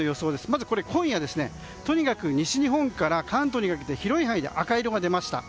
まず今夜とにかく西日本から関東にかけて広い範囲で赤色が出ました。